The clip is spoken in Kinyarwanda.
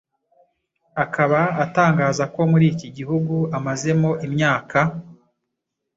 akaba atangaza ko muri iki gihugu amazemo imyaka